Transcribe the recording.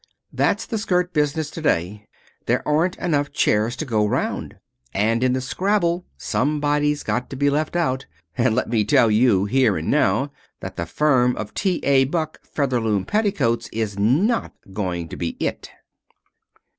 That's the skirt business to day. There aren't enough chairs to go round, and in the scramble somebody's got to be left out. And let me tell you, here and now, that the firm of T. A. Buck, Featherloom Petticoats, is not going to be It."